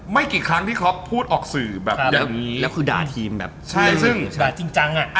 ไม่กี่ครั้งที่เค้าพูดออกสื่อแบบนี้แล้วคือด่าทีมแบบนี้ด่าจริงจังอะ